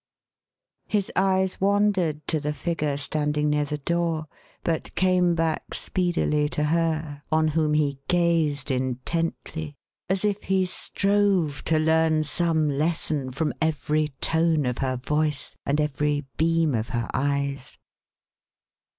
His eyes wandered to the figure standing near the door, but came back speedily to her, on whom he gazed intently, as if he strove to learn some lesson from every tone of her voice, and every beam of her eyes.